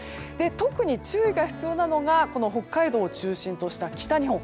特に注意が必要なのが北海道を中心とした北日本。